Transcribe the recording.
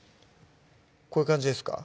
こういう感じですか？